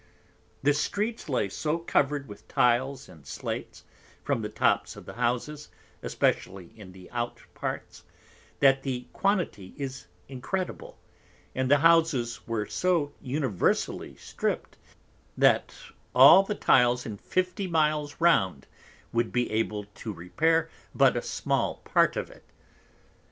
The Streets lay so covered with Tiles and Slates, from the Tops of the Houses, especially in the Out parts, that the Quantity is incredible: and the Houses were so universally stript, that all the Tiles in Fifty Miles round would be able to repair but a small Part of it.